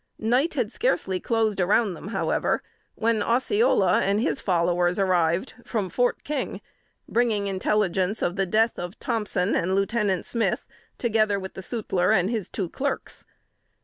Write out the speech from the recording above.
Night had scarcely closed around them, however, when Osceola and his followers arrived from Fort King, bringing intelligence of the death of Thompson and Lieutenant Smith, together with the sutler and his two clerks.